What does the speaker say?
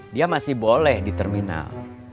dia masih boleh di terminal